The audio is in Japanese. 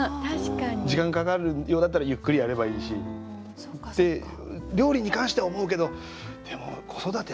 時間かかるようだったらゆっくりやればいいしって料理に関しては思うけどでも子育てはね。